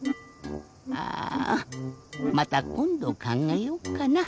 あまたこんどかんがえよっかな。